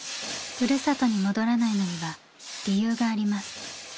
ふるさとに戻らないのには理由があります。